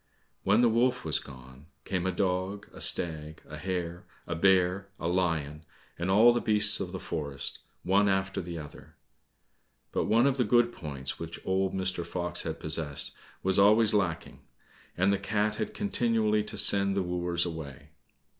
When the wolf was gone, came a dog, a stag, a hare, a bear, a lion, and all the beasts of the forest, one after the other. But one of the good points which old Mr. Fox had possessed, was always lacking, and the cat had continually to send the wooers away.